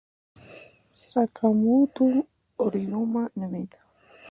ساکاموتو ریوما نومېده.